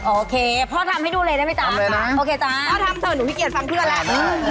โอเคพ่อทำให้ดูเลยได้ไหมจ๊ะโอเคจ๊ะพ่อทำเถอะหนูขี้เกียจฟังเพื่อนแล้ว